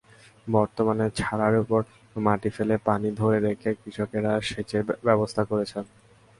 বর্তমানে ছাড়ার ওপর মাটি ফেলে পানি ধরে রেখে কৃষকেরা সেচের ব্যবস্থা করেছেন।